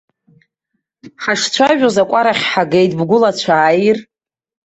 Ҳашцәажәоз акәарахьы ҳагеит, бгәылацәа ааир?